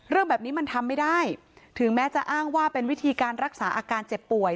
เรื่องแบบนี้มันทำไม่ได้ถึงแม้จะอ้างว่าเป็นวิธีการรักษาอาการเจ็บป่วย